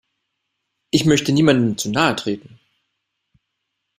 Ich möchte niemandem zu nahe treten.